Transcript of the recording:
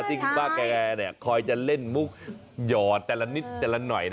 ที่คุณป้าแกคอยจะเล่นมุกหยอดแต่ละนิดแต่ละหน่อย